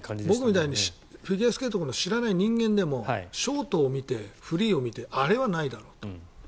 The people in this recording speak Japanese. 僕みたいにフィギュアスケート知らない人間でもショートを見てフリーを見てあれはないだろうと。